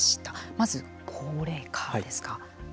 まず高齢化ですか。